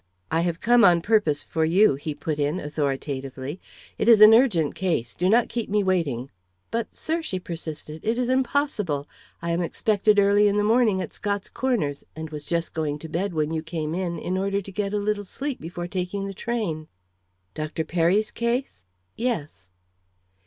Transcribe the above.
"I have come on purpose for you," he put in, authoritatively. "It is an urgent case; do not keep me waiting." "But, sir," she persisted, "it is impossible. I am expected early in the morning at Scott's Corners, and was just going to bed when you came in, in order to get a little sleep before taking the train." "Dr. Perry's case?" "Yes."